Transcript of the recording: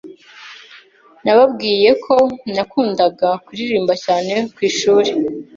Nababwiyeko nakundaga kuririmba cyane ku ishuri,